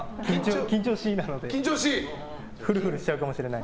緊張しいなのでフルフルしちゃうかもしれない。